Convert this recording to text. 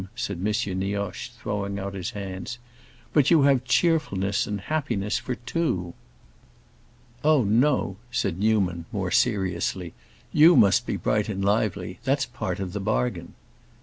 said M. Nioche, throwing out his hands. "But you have cheerfulness and happiness for two!" "Oh no," said Newman more seriously. "You must be bright and lively; that's part of the bargain."